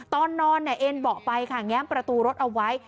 ตอนนอนเนี่ยเอ็นเบาะไปค่ะแง้มประตูรถเอาไว้